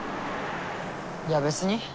いや別に。